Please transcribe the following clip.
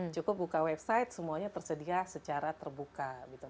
cukup buka website semuanya tersedia secara terbuka